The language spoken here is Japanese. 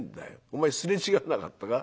お前擦れ違わなかったか。